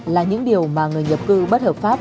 là những điều mà người nhập cư bất hợp pháp